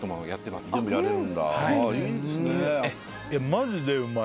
マジでうまい。